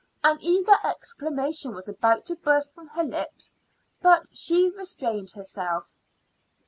An eager exclamation was about to burst from her lips, but she restrained herself.